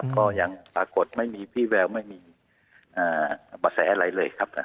ก็ยังปรากฏไม่มีพี่แววไม่มีเบาะแสอะไรเลยครับ